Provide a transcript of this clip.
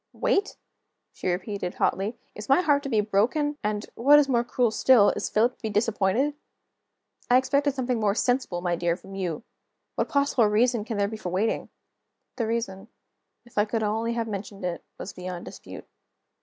"Wait?" she repeated, hotly. "Is my heart to be broken? and, what is more cruel still, is Philip to be disappointed? I expected something more sensible, my dear, from you. What possible reason can there be for waiting?" The reason if I could only have mentioned it was beyond dispute.